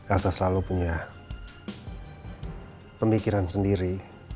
elsa selalu punya pemikiran sendiri